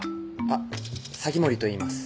あっ鷺森といいます